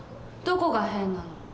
どこが変なの？